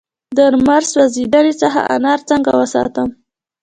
د لمر سوځیدنې څخه انار څنګه وساتم؟